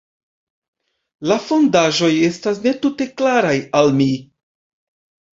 La fondaĵoj estas ne tute klaraj al mi.